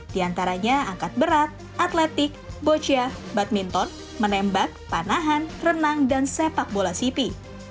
di antaranya angkat berat atletik boccia badminton menembak panahan renang dan sepak bola city